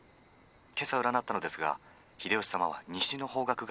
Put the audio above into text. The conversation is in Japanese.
今朝占ったのですが秀吉様は西の方角が吉と出ています」。